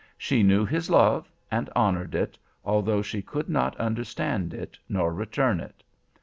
She knew his love, and honored it, although she could not understand it nor return it.